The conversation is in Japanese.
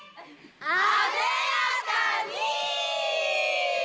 艶やかに！